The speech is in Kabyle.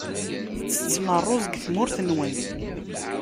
Tettettem rruẓ deg tmurt-nwen?